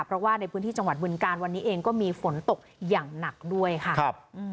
เพราะว่าในพื้นที่จังหวัดบึงการวันนี้เองก็มีฝนตกอย่างหนักด้วยค่ะ